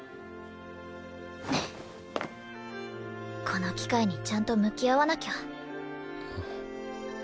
この機会にちゃんと向き合わなきゃ。